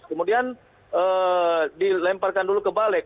kemudian dilemparkan dulu ke balik